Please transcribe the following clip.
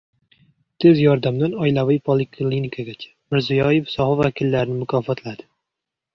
Tez yordamdan oilaviy poliklinikagacha. Mirziyoyev soha vakillarini mukofotladi